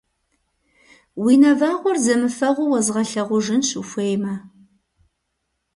Уи нэвагъуэр зэмыфэгъуу уэзгъэлъэгъужынщ, ухуеймэ!